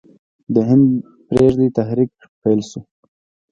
د هند پریږدئ تحریک پیل شو.